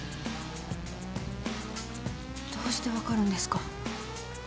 どうして分かるんですか？